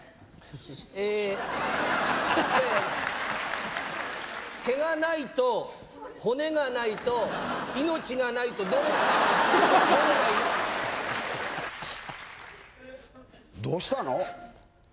えー、毛がないと、骨がないと、命がないと、どうしたの？